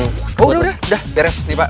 oh udah udah udah beres nih pak